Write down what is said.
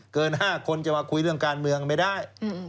เกิน๕คนจะมาคุยเรื่องการเมืองไม่ได้